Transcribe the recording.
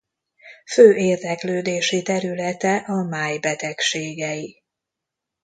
Fő érdeklődési területe a máj betegségei.